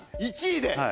１位で！